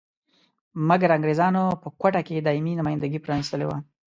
مګر انګریزانو په کوټه کې دایمي نمایندګي پرانیستلې وه.